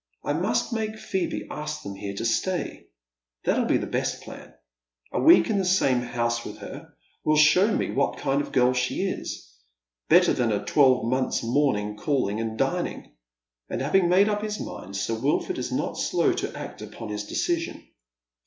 I must make Phoebe ask them here to stay. That'll be the best plan. A week in the same house with her will show me what kind of gii'l she is, better than a twelvemonth's morning calling and dining." And having made up his mind. Sir Wilford is not slow to act upon his decision.